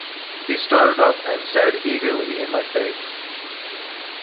He started up, and stared eagerly in my face.